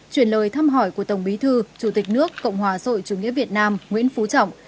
chuyển lời thăm hỏi của tổng bí thư chủ tịch nước cộng hòa sội chủ nghĩa việt nam nguyễn phú trọng